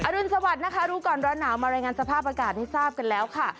รุนสวัสดิ์นะคะรู้ก่อนร้อนหนาวมารายงานสภาพอากาศให้ทราบกันแล้วค่ะ